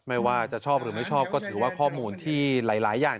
ไม่ว่าจะชอบหรือไม่ชอบก็ถือว่าข้อมูลที่หลายอย่าง